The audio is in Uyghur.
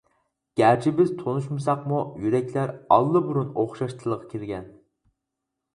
گەرچە بىز تونۇشمىساقمۇ يۈرەكلەر ئاللىبۇرۇن ئوخشاش تىلغا كىرگەن.